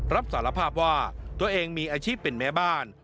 รับสารภาพว่าตัวเองมีอาชีพเป็นแม่บ้าน